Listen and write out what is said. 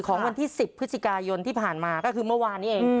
ของวันที่๑๐พฤศจิกายนที่ผ่านมาก็คือเมื่อวานนี้เอง